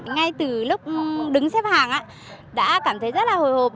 ngay từ lúc đứng xếp hàng đã cảm thấy rất là hồi hộp